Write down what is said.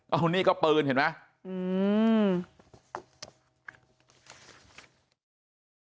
เอานี่ก็ปืนเห็นไหม